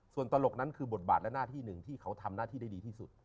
ส่วนตลกนั้นคือบทบาทและหน้าที่หนึ่งที่เขาทำหน้าที่ได้ดีที่สุด